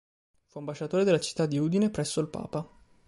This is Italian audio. Fu ambasciatore della città di Udine presso il papa.